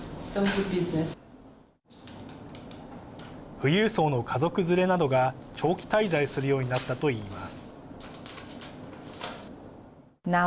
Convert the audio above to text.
富裕層の家族連れなどが長期滞在するようになったと言います。